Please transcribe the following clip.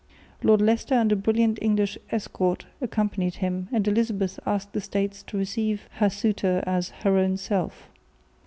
Lord Leicester and a brilliant English escort accompanied him; and Elizabeth asked the States to receive her suitor as "her own self."